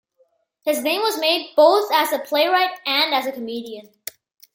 His name was made, both as playwright and as comedian.